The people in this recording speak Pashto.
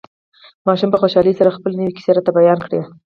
ماشوم په خوشحالۍ سره خپلې نوې کيسې راته بيان کړې.